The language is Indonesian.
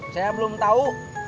saya belum tau